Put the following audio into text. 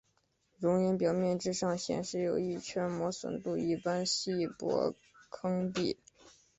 熔岩表面之上显示有一圈磨损度一般的细薄坑壁。